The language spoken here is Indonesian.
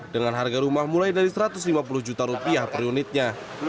dengan harga rumah mulai dari satu ratus lima puluh juta rupiah per unitnya